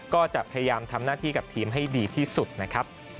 ก็จะพยายามทำหน้าที่กับทีมให้ดีที่สุดนะครับ